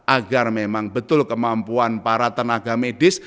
agar memang betul kemampuan para tenaga medis